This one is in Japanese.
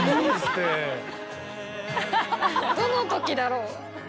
どのときだろう？